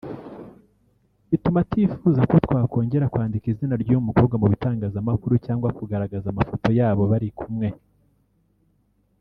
bituma atifuza ko twakongera kwandika izina ry’uyu mukobwa mu bitangazamakuru cyangwa kugaragaza amafoto yabo bari kumwe